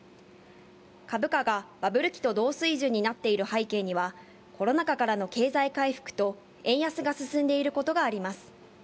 株価がバブル期と同水準になっている背景には、コロナ禍からの経済回復と、円安が進んでいることがあります。